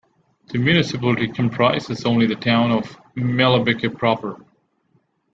The municipality comprises only the town of Meulebeke proper.